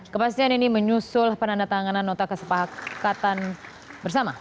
kepastian ini menyusul penandatanganan nota kesepakatan bersama